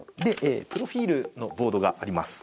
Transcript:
プロフィルのボードがあります。